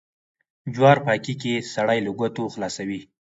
جوار پاکي کې سړی له گوتو خلاصوي.